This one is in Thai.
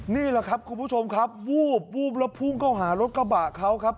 นี่แหละครับคุณผู้ชมครับวูบวูบแล้วพุ่งเข้าหารถกระบะเขาครับ